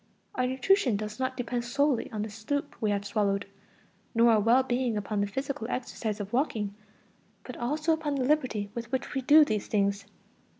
Our nutrition does not depend solely on the soup we have swallowed, nor our well being upon the physical exercise of walking, but also upon the liberty with which we do these things.